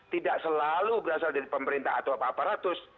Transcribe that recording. tidak selalu berasal dari pemerintah atau apa aparatus